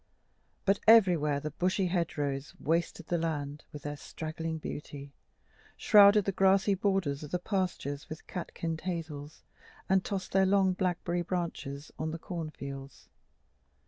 But everywhere the bushy hedgerows wasted the land with their straggling beauty, shrouded the grassy borders of the pastures with catkined hazels, and tossed their long blackberry branches on the corn fields.